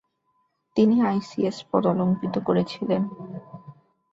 তিনি আইসিএস পদ অলংকৃত করেছিলেন।